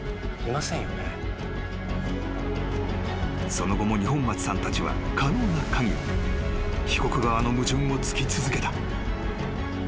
［その後も二本松さんたちは可能なかぎり被告側の矛盾を突き続けた］